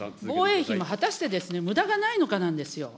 防衛費も果たしてむだがないのかなんですよ。